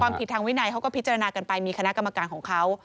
ผิดทางวินัยเขาก็พิจารณากันไปมีคณะกรรมการของเขา